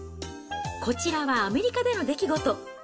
こちらはアメリカでの出来事。